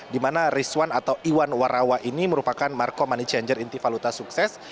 dimana rizwan atau iwan warawa ini merupakan markom money changer inti valuta sukses